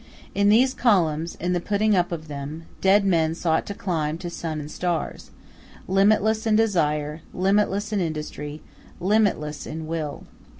In these columns, in the putting up of them, dead men sought to climb to sun and stars, limitless in desire, limitless in industry, limitless in will.